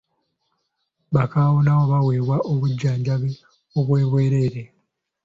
Bakaawonawo baaweebwa obujjanjabi obw'obwereere.